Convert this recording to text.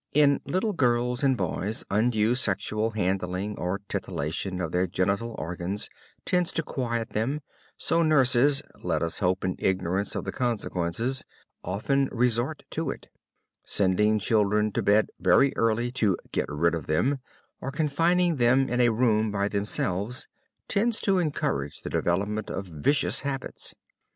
In little girls and boys undue sexual handling or titillating of their genital organs tends to quiet them, so nurses (let us hope in ignorance of the consequences!) often resort to it. Sending children to bed very early, to "get rid of them," or confining them in a room by themselves, tends to encourage the development of vicious habits.